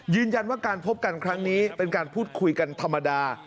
ยืนยันว่าการพบกันครั้งนี้เป็นการพูดคุยกันธรรมดา